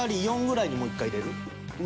４ぐらいにもう１回入れる？